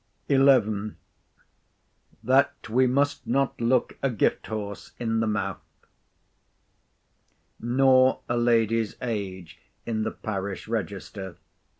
XI.—THAT WE MUST NOT LOOK A GIFT HORSE IN THE MOUTH Nor a lady's age in the parish register.